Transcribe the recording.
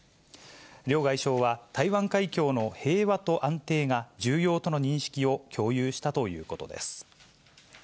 両外相は、台湾海峡の平和と安定が重要との認識を共有したということです。